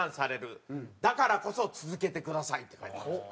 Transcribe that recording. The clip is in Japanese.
「だからこそ続けてください！」って書いたんですよ。